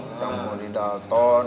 akang budi dalton